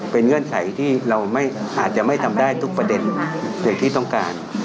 เป็นเงื่อนไขที่เราอาจจะไม่ทำได้ทุกประเด็นอย่างที่ต้องการ